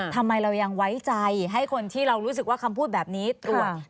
ทำไมเรายังไว้ใจให้คนที่เรารู้สึกว่าคำพูดแบบนี้ตรวจ